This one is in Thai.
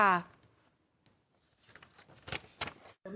แม่เขาน่าทรงสารแล้วก็ลูกเขาอ่ะ